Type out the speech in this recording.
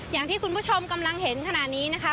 อย่างที่คุณผู้ชมกำลังเห็นขณะนี้นะคะ